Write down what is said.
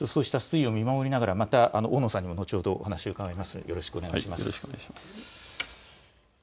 そうした水位を見守りながらまた大野さんには後ほど話を伺います。